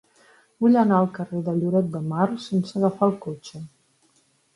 Vull anar al carrer de Lloret de Mar sense agafar el cotxe.